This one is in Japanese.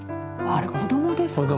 あれ子供ですか？